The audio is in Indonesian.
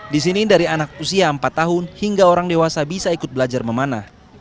di sini dari anak usia empat tahun hingga orang dewasa bisa ikut belajar memanah